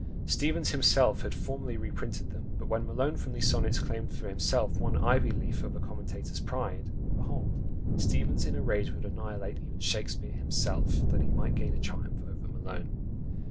Steevens himself had formerly reprinted them, but when Malone from these sonnets claimed for himself one ivy leaf of a commentator's pride, behold, Steevens in a rage would annihilate even Shakspeare himself, that he might gain a triumph over Malone!